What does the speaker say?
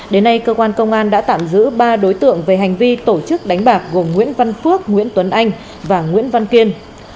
đến nay cơ quan công an đã tạm giữ ba đối tượng về hành vi tổ chức đánh bạc gồm nguyễn văn phước nguyễn tuấn anh và nguyễn văn kiên